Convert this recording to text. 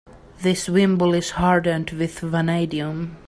This wimble is hardened with vanadium.